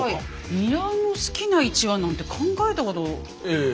ニラの好きな１把なんて考えたこと。